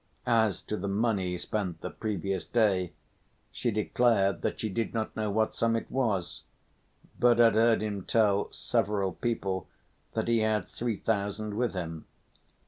As to the money spent the previous day, she declared that she did not know what sum it was, but had heard him tell several people that he had three thousand with him.